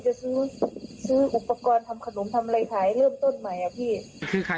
แต่หนูยอมตาบอดข้างหนึ่งดีกว่า